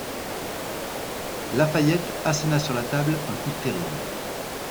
La Fayette asséna sur la table un coup terrible.